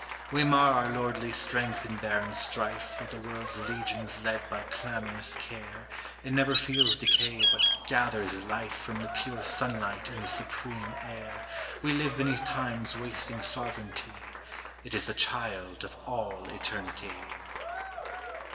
We mar our lordly strength in barren strife With the world's legions led by clamorous care, It never feels decay but gathers life From the pure sunlight and the supreme air, We live beneath Time's wasting sovereignty, It is the child of all eternity.